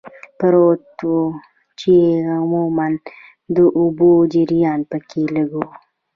پروت و، چې عموماً د اوبو جریان پکې لږ و.